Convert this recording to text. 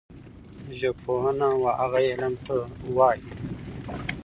ژبپوهنه وهغه علم ته وايي